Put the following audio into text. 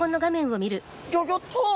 ギョギョッと！